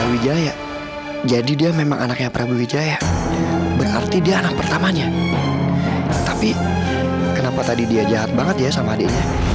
wijaya jadi dia memang anaknya prabu wijaya berarti dia anak pertamanya tapi kenapa tadi dia jahat banget ya sama adiknya